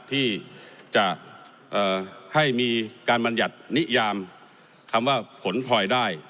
ที่จะให้มีการบรรยัตินิยามคำว่าผลพลอยได้